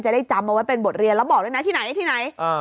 ได้จำเอาไว้เป็นบทเรียนแล้วบอกด้วยนะที่ไหนที่ไหน